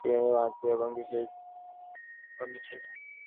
শ্রীকৃষ্ণ পাণ্ডবগণের আত্মীয় এবং বিশেষ বন্ধু ছিলেন।